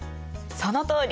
そのとおり。